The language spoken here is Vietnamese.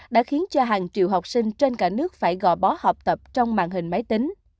đã khiến cho hàng triệu học sinh trên cả nước phải gò bó học tập trong màn hình máy tính